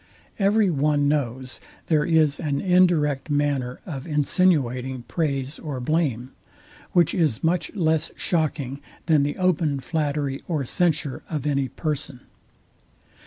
Every one knows, there is an indirect manner of insinuating praise or blame, which is much less shocking than the open flattery or censure of any person.